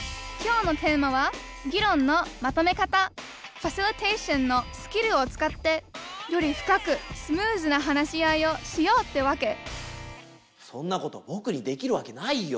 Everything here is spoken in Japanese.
ファシリテーションのスキルを使ってより深くスムーズな話し合いをしようってわけそんなことぼくにできるわけないよ！